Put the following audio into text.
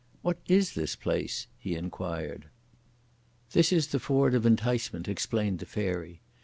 "What is this place?" he inquired. "This is the Ford of Enticement," explained the Fairy.